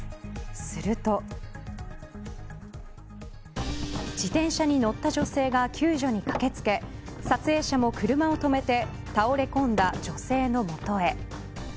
すると自転車に乗った女性が救助に駆け付け撮影者も車を止めて倒れ込んだ女性の元へ。